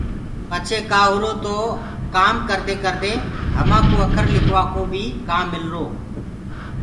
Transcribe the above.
پڇي ڪآ هُرو تو ڪآم ڪردي ڪردي همانٚ ڪُو اکر لِکوآ ڪو بيِ ڪآم ملرو۔